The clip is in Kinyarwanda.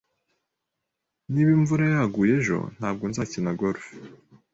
Niba imvura yaguye ejo, ntabwo nzakina golf.